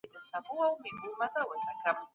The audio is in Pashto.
پرمختللې ټکنالوژي د توليد د کيفيت د ښه کېدو لامل کېږي.